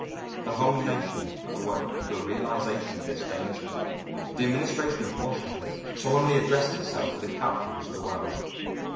The whole nation awoke to a realization of its danger. The Administration at Washington solemnly addressed itself to the capitals of the world.